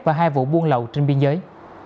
và hai vụ buôn lầu trên biên giới